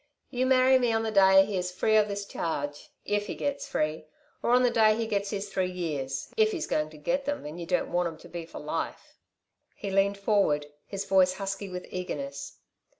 "You marry me the day he is free of this charge if he gets free or on the day he gets his three years if he's goin' to get them, and you don't want 'm to be for life." He leaned forward, his voice husky with eagerness.